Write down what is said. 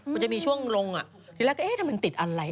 มันจะมีช่วงลงอ่ะทีละก็เอ๊ะมันติดอะไร